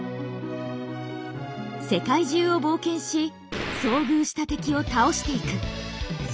世界中を冒険し遭遇した敵を倒していく。